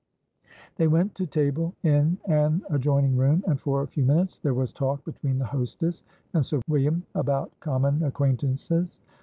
They went to table in an adjoining room, and for a few minutes there was talk between the hostess and Sir William about common acquaintances.